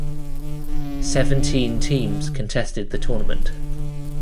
Seventeen teams contested the tournament.